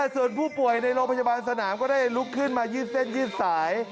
ส่วนผู้ป่วยในโรงพยาบาลสนามก็ได้ลุกขึ้นมายืดเส้นยืดสาย